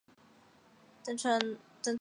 但传统上画师以紫色作为黄的互补色。